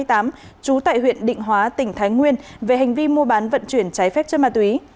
trú tại huyện định hóa tỉnh thái nguyên về hành vi mua bán vận chuyển trái phép chất ma túy